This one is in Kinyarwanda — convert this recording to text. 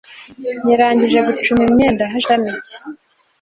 yarangije gucuma imyenda hashize iminota mike